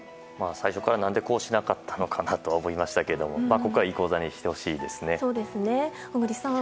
最初から何でこうしなかったのかなと思いますけどここからいい講座にしてほしいですね。